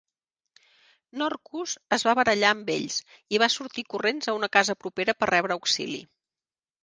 Norkus es va barallar amb ells i va sortir corrents a una casa propera per rebre auxili.